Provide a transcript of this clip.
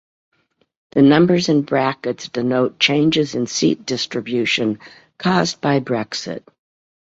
The numbers in brackets denote changes in seat distribution caused by Brexit.